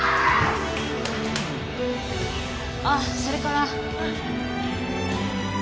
ああそれから。